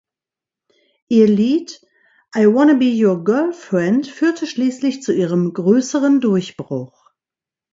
Ihr Lied "I wanna be your girlfriend" führte schließlich zu ihrem größeren Durchbruch.